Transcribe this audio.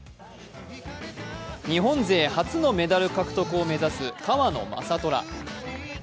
日本勢初のメダル獲得を目指す川野将虎。